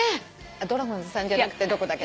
ドラゴンズさんじゃなくてどこだっけ？